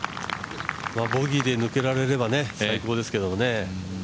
ボギーで抜けられれば最高ですけどね。